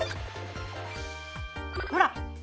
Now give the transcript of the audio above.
ほら！